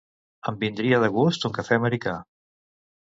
Em vindria de gust un cafè americà.